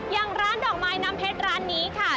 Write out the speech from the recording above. อย่างร้านดอกไม้น้ำเพชรร้านนี้ค่ะ